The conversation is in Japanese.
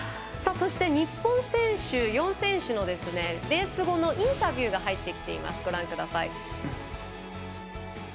そして日本人４選手のレース後のインタビューが入ってきています。